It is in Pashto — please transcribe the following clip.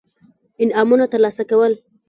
انعامونه ترلاسه کول.